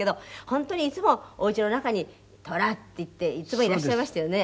本当にいつもおうちの中に「寅」って言っていつもいらっしゃいましたよね。